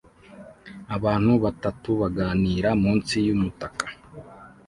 Abantu batatu baganira munsi yumutaka